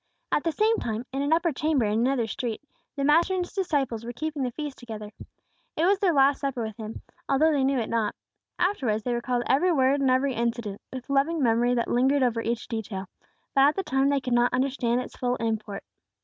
At the same time, in an upper chamber in another street, the Master and His disciples were keeping the feast together. It was their last supper with Him, although they knew it not. Afterwards they recalled every word and every incident, with loving memory that lingered over each detail; but at the time they could not understand its full import.